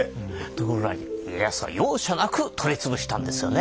ところが家康は容赦なく取り潰したんですよね。